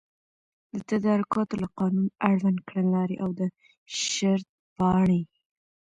د تدارکاتو له قانون، اړوند کړنلاري او د شرطپاڼي